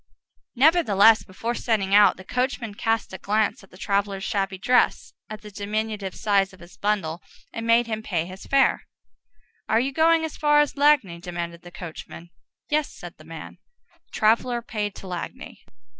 Nevertheless, before setting out, the coachman cast a glance at the traveller's shabby dress, at the diminutive size of his bundle, and made him pay his fare. "Are you going as far as Lagny?" demanded the coachman. "Yes," said the man. The traveller paid to Lagny.